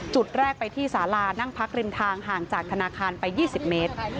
จุดแรกไปที่สาลานั่งพักริมทางห่างจากธนาคารไป๒๐เมตร